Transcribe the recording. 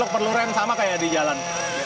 perlu rem sama kayak di jalan